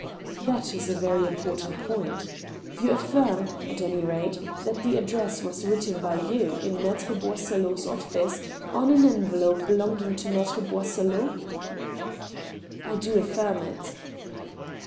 " That is a very important point. You affirm, at any rate, that the address was written by you in Mattre Boisselot's office, on an envelope belonging to Maltre Boisselot ?"" I do affirm it."